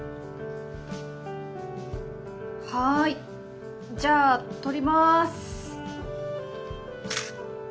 はいじゃあ撮ります。